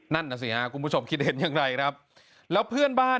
นั่นน่ะสิฮะคุณผู้ชมคิดเห็นอย่างไรครับแล้วเพื่อนบ้าน